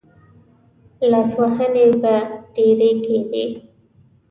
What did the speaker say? لاسوهنې به ډېرې کېدې.